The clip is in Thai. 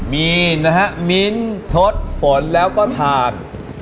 มีนนะครับมีนทศฝนแล้วก็ทาม